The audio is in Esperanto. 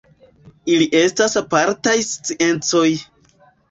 Ili estas apartaj sciencoj.